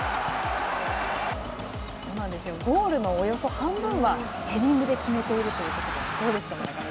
ゴールのおよそ半分はヘディングで決めているということで、どうですか、村上さん。